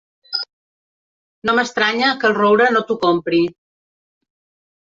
No m'estranya que el Roure no t'ho compri.